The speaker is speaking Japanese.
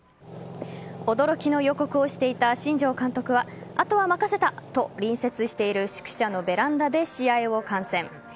驚きの予告をしていた新庄監督はあとは任せたと隣接している宿舎のベランダで試合を観戦。